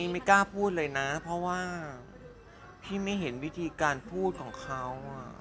ไม่กล้าพูดเลยนะเพราะว่าพี่ไม่เห็นวิธีการพูดของเขา